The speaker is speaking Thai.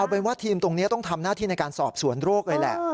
เป็นว่าทีมตรงนี้ต้องทำหน้าที่ในการสอบสวนโรคเลยแหละ